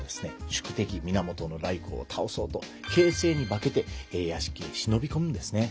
宿敵源頼光を倒そうと傾城に化けて屋敷へ忍び込むんですね。